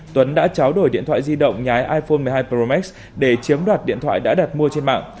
tuấn đã cháo đổi điện thoại di động nhái iphone một mươi hai pro max để chiếm đoạt điện thoại đã đặt mua trên mạng